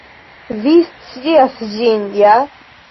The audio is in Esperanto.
Vi scias ĝin ja?